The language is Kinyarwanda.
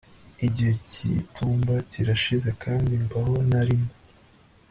Igihe cyitumba kirashize kandi mbaho ntarimo